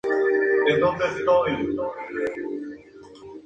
Se sitúa al oeste de la provincia.